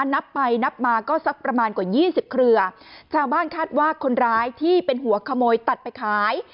นับไปนับมาก็สักประมาณกว่ายี่สิบเครือชาวบ้านคาดว่าคนร้ายที่เป็นหัวขโมยตัดไปขาย